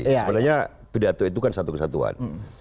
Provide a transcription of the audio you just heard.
sebenarnya pidato itu kan satu kesatuan